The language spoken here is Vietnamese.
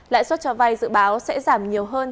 lãi suất cho vay dự báo sẽ giảm nhiều hơn